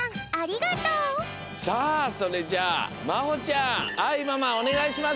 さあそれじゃあまほちゃんあいママおねがいします！